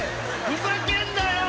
「ふざけんなよ！